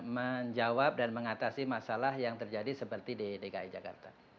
menjawab dan mengatasi masalah yang terjadi seperti di dki jakarta